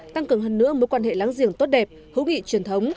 tăng cường hơn nữa mối quan hệ láng giềng tốt đẹp hữu nghị truyền thống